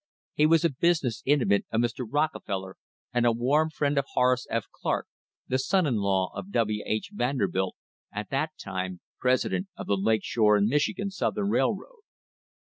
He was a business intimate of Mr. Rockefeller and a warm friend of Horace F. Clark, the son in law of W. H. Vanderbilt, at that time president of the Lake Shore and Michigan Southern Railroad.